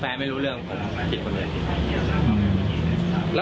แฟนไม่รู้เรื่องผมคิดคนเดิม